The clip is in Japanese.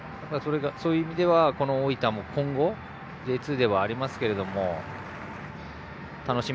そういう意味では、大分も今後Ｊ２ではありますが楽しみ